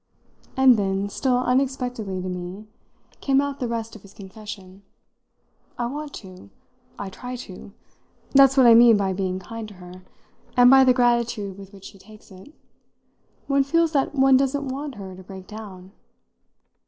And then, still unexpectedly to me, came out the rest of his confession. "I want to I try to; that's what I mean by being kind to her, and by the gratitude with which she takes it. One feels that one doesn't want her to break down."